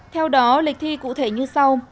theo đó lịch thi cụ thể như sau